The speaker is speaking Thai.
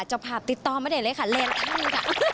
เจ้าผับติดตอบมาได้เลยค่ะแลนด์ข้างนี้ค่ะ